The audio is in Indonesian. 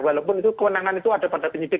walaupun itu kewenangan itu ada pada penyidik